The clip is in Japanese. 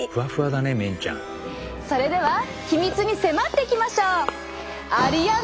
それでは秘密に迫っていきましょう！